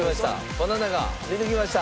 バナナが出てきました。